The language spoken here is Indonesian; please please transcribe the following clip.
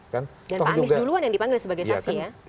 dan pak amis duluan yang dipanggil sebagai saksi ya